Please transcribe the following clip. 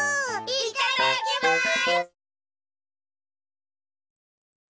いっただっきます！